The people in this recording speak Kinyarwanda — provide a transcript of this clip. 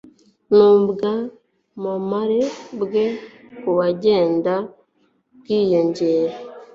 n’ubwamamare bwe bukagenda bwiyongera